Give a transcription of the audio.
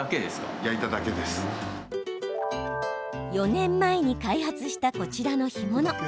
４年前に開発した、こちらの干物。